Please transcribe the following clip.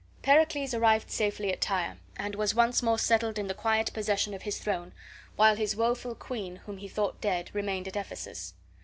Pericles arrived in safety at Tyre, and was once more settled in the quiet possession of his throne, while his woeful queen, whom he thought dead, remained at Ephesus.